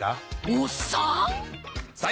おっさん